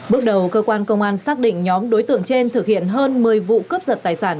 bước đầu cơ quan công an xác định nhóm đối tượng trên thực hiện hơn một mươi vụ cướp giật tài sản